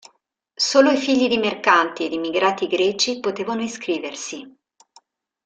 Solo i figli di mercanti ed immigrati greci potevano iscriversi.